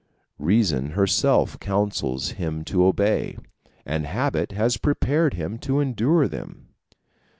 Reason herself counsels him to obey, and habit has prepared him to endure them.